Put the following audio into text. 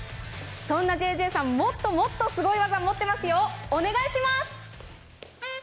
そんなＪＪさん、もっともっとすごい技持っていますよ、お願いします。